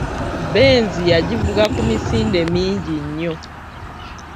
Benzi ya givuga ku misinde mingi nnyo.